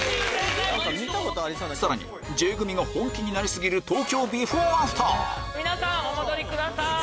さらにＪ組が本気になり過ぎる東京ビフォーアフター皆さんお戻りください。